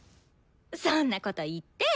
そんなこと言って。